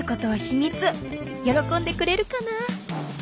喜んでくれるかな？